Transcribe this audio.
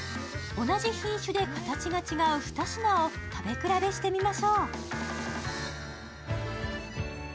同じ品種で形が違う二品を食べ比べしてみましょう。